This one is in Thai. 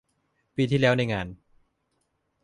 ปีที่แล้วในงาน